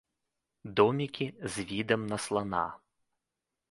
Домікі з відам на слана.